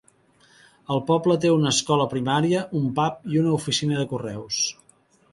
El poble té una escola primària, un pub i una oficina de correus.